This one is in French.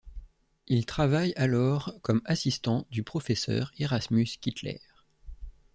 Il travaille alors comme assistant du professeur Erasmus Kittler.